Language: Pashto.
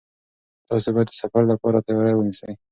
تاسي باید د سفر لپاره تیاری ونیسئ.